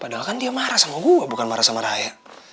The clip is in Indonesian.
padahal kan dia marah sama gue bukan marah sama rahaya